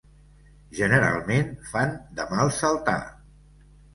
Generalment fan de mal saltar